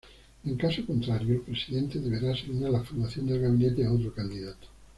En caso contrario, el Presidente deberá asignar la formación del Gabinete a otro candidato.